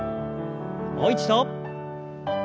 もう一度。